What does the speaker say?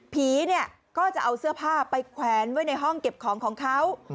เนี่ยก็จะเอาเสื้อผ้าไปแขวนไว้ในห้องเก็บของของเขา